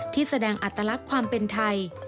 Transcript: ที่แสดงอัตลักษณ์ความเป็นไทย